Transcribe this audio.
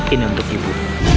ini untuk ibu